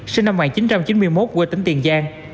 sinh năm một nghìn chín trăm chín mươi một quê tỉnh tiền giang